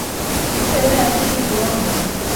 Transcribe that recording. Бөтәһе лә отличник була алмай.